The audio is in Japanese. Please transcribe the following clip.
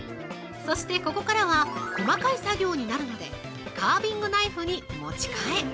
そして、ここからは、細かい作業になるので、カービングナイフに持ち替え。